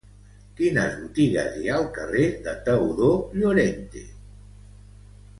Quines botigues hi ha al carrer de Teodor Llorente?